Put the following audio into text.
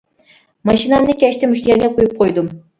ماشىنامنى كەچتە مۇشۇ يەرگە قويۇپ قويدۇم.